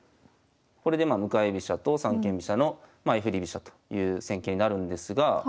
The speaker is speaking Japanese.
これでまあ向かい飛車と三間飛車の相振り飛車という戦型になるんですが。